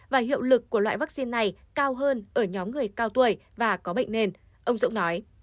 và hiệu lực của loại vaccine này cao hơn ở nhóm người cao tuổi và có bệnh nền ông dũng nói